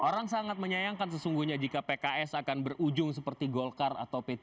orang sangat menyayangkan sesungguhnya jika pks akan berujung seperti golkar atau p tiga